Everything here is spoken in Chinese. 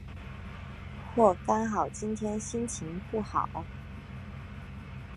或刚好今天心情不好？